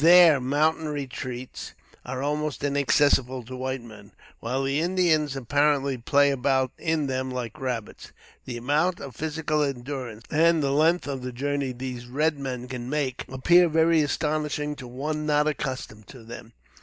Their mountain retreats are almost inaccessible to white men, while the Indians, apparently, play about in them like rabbits. The amount of physical endurance and the length of the journeys these red men can make, appear very astonishing to one not accustomed to them.